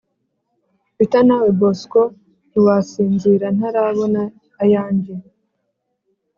Peter nawe bosco ntiwasinzira ntarabona ayanjye